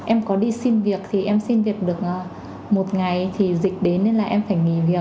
em có đi xin việc thì em xin việc được một ngày thì dịch đến nên là em phải nghỉ việc